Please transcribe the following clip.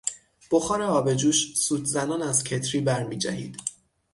بخار آب جوش سوت زنان از کتری برمیجهید.